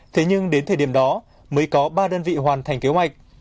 thế nhưng đến thời điểm đó mới có ba đơn vị hoàn thành kế hoạch